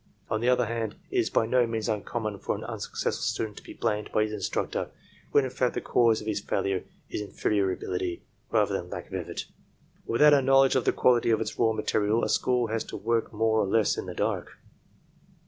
On the other hand, it is by no means unconunon for an unsuccessful student to be blamed by his instructor, when in fact the cause of his failure is inferior ability, rather than lack of effort. Without a knowledge of the quality of its raw material a school has to work more or less in the dark.